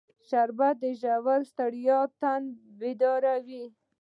شربت د روژې ستړی تن بیداروي